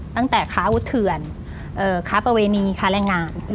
ตั้งแต่ค้าวุธเถื่อนค้าประเวณีค้าแรงงาน